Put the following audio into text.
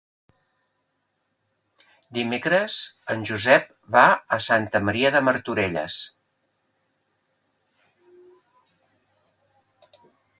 Dimecres en Josep va a Santa Maria de Martorelles.